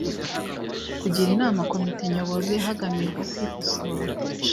Kugira inama Komite Nyobozi hagamijwe kwikosora